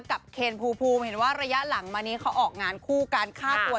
เคนภูมิเห็นว่าระยะหลังมานี้เขาออกงานคู่การฆ่าตัว